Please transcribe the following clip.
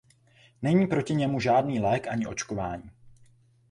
Není proti němu žádný lék ani očkování.